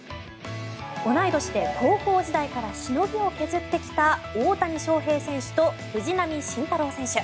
同い年で高校時代からしのぎを削ってきた大谷翔平選手と藤浪晋太郎選手。